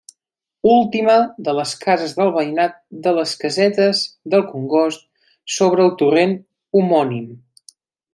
Última de les cases del veïnat de les Casetes del Congost, sobre el torrent homònim.